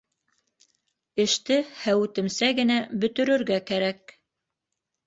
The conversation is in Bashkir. Эште һәүетемсә генә бөтөрөргә кәрәк.